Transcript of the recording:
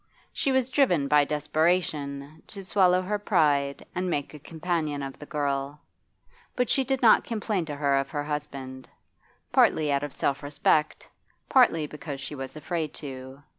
She was driven by desperation to swallow her pride and make a companion of the girl. But she did not complain to her of her husband partly out of self respect, partly because she was afraid to.